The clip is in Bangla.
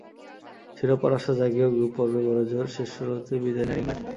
শিরোপার আশা জাগিয়েও গ্রুপ পর্বে, বড়জোর শেষ ষোলোতেই বিদায় নেয় ইংল্যান্ড।